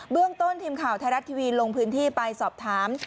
เรื่องต้นทีมข่าวไทยรัฐทีวีลงพื้นที่ไปสอบถาม